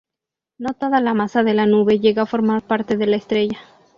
No toda la masa de la nube llega a formar parte de la estrella.